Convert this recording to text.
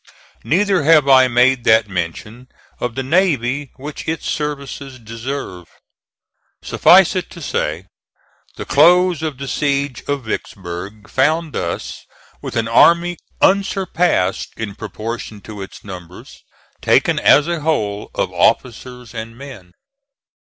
Neither have I made that mention of the navy which its services deserve. Suffice it to say, the close of the siege of Vicksburg found us with an army unsurpassed, in proportion to its numbers, taken as a whole of officers and men.